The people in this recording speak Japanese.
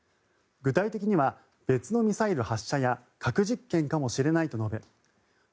具体的には別のミサイル発射や核実験かもしれないと述べ